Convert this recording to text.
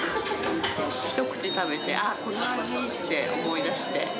一口食べて、あっ、この味って思い出して。